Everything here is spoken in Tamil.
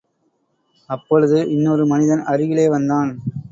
அப்பொழுது இன்னொரு மனிதன் அருகிலே வந்தான்.